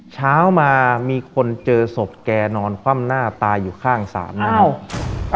เช้ามามีคนเจอศพแกนอนคว่ำหน้าตายอยู่ข้างศาลนะครับ